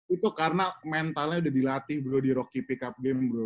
itu karena mentalnya udah dilatih bro di rocky pick up game bro